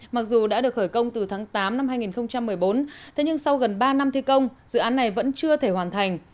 mặc dù đã được khởi công từ tháng tám năm hai nghìn một mươi bốn thế nhưng sau gần ba năm thi công dự án này vẫn chưa thể hoàn thành